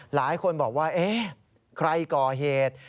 หลายคนบอกว่าเอ๊ะใครก่อเหตุ